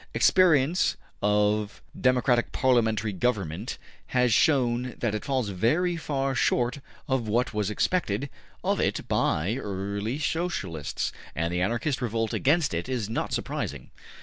Experience of democratic parliamentary government has shown that it falls very far short of what was expected of it by early Socialists, and the Anarchist revolt against it is not surprising.